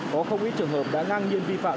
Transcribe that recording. có không ít trường hợp đã ngang nhiên vi phạm